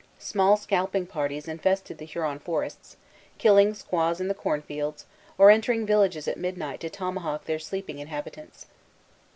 Small scalping parties infested the Huron forests, killing squaws in the cornfields, or entering villages at midnight to tomahawk their sleeping inhabitants.